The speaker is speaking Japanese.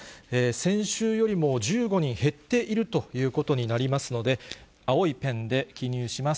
先週よりも１５人減っているということになりますので、青いペンで記入します。